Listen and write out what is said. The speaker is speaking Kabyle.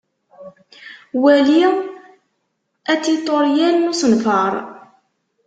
Wali atiṭuryel n usenfaṛ.